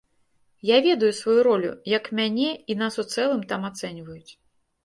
Я ведаю сваю ролю, як мяне і нас у цэлым там ацэньваюць.